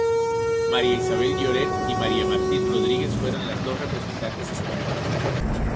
María Isabel Lloret y María Martín Rodríguez fueron las dos representantes españolas.